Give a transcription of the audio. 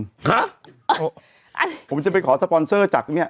ครับอันนี้ผมจะไปขอสปอนเซอร์จากเนี่ย